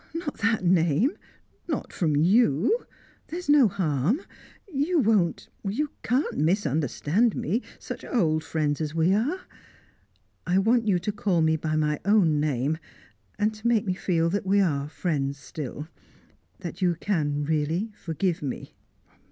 "Not that name! Not from you. There's no harm; you won't you can't misunderstand me, such old friends as we are. I want you to call me by my own name, and to make me feel that we are friends still that you can really forgive me."